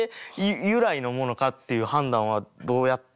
由来のものかっていう判断はどうやってんのかなって。